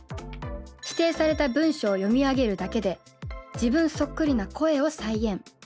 指定された文章を読み上げるだけで自分そっくりな声を再現。